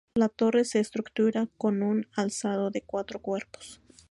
La torre se estructura con un alzado de cuatro cuerpos.